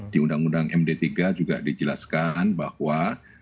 di undang undang md tiga juga dijelaskan bahwa